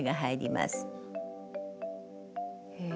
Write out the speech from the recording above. へえ。